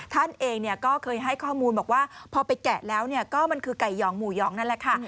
ท่านเองก็เคยให้ข้อมูลบอกว่าพอไปแกะแล้วก็มันคือไก่หองหมู่หองนั่นแหละค่ะ